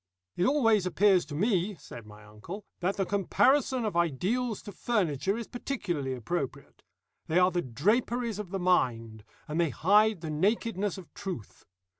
"It always appears to me," said my uncle, "that the comparison of ideals to furniture is particularly appropriate. They are the draperies of the mind, and they hide the nakedness of truth.